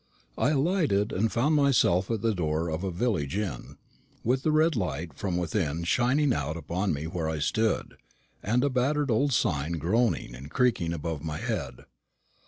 I alighted, and found myself at the door of a village inn, with the red light from within shining out upon me where I stood, and a battered old sign groaning and creaking above my head.